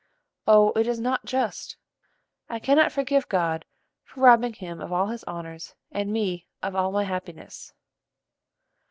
Oh, it is not just! I cannot forgive God for robbing him of all his honors, and me of all my happiness."